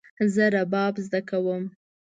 زه رباب زده کوم